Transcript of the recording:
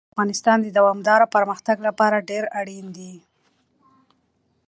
وګړي د افغانستان د دوامداره پرمختګ لپاره ډېر اړین دي.